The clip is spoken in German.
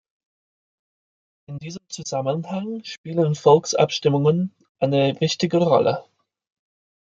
In diesem Zusammenhang spielen Volksabstimmungen eine wichtige Rolle.